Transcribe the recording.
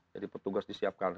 jadi petugas disiapkan